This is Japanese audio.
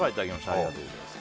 ありがとうございます。